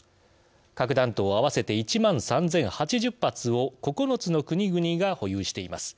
核弾頭合わせて１万３０８０発を９つの国々が保有しています。